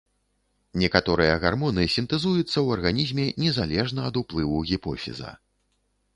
Некаторыя гармоны сінтэзуюцца ў арганізме незалежна ад уплыву гіпофіза.